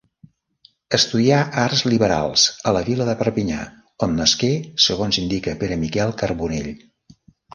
Estudià arts liberals a la vila de Perpinyà, on nasqué segons indica Pere Miquel Carbonell.